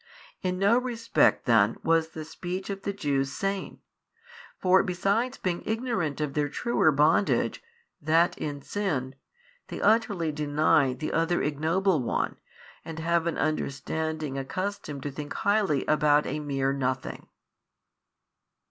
In no respect then was the speech of the Jews sane: for besides being ignorant of their truer bondage, that in sin, they utterly |627 deny the other ignoble one and have an understanding accustomed to think highly about a mere nothing.